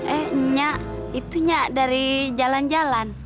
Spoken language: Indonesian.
eh nya itu nya dari jalan jalan